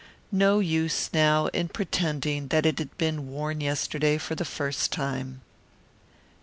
No use now in pretending that it had been worn yesterday for the first time.